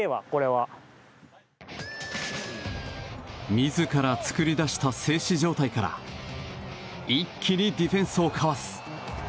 自ら作り出した静止状態から一気にディフェンスをかわす。